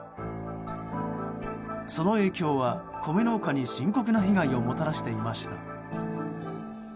その影響は米農家に深刻な被害をもたらしていました。